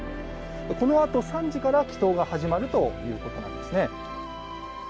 このあと３時から祈とうが始まるということなんですね。